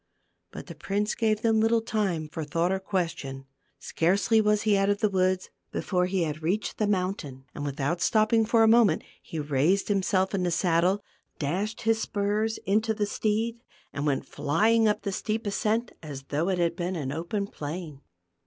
But the prince gave them little time for thought or question. Scarcely was he out of the woods before he had reached the moun tain, and without stopping for a moment, he raised himself in the saddle, dashed his spurs into the steed, and went flying up the steep ascent as though it had been an open plain.